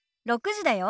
６時だよ。